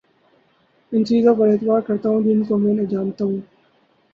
ان چیزوں پر اعتبار کرتا ہوں جن کو میں جانتا ہوں